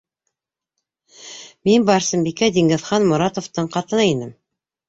Мин Барсынбикә, Диңгеҙхан Мо- ратовтың ҡатыны инем.